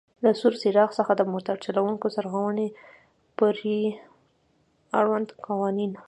له سور څراغ څخه د موټر چلوونکي سرغړونې پورې آړوند قوانین: